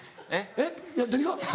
えっ何が？